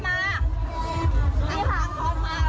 เจ็บ๓๐บาท